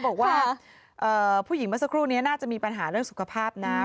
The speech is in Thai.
บอกว่าผู้หญิงเมื่อสักครู่นี้น่าจะมีปัญหาเรื่องสุขภาพนะ